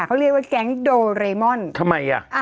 เขาเรียกว่าแก๊งโดเรมอนทำไมอ่ะ